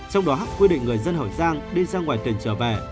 trong đó quy định người dân hậu giang đi sang ngoài tỉnh trở về